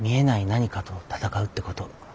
何かと闘うってこと。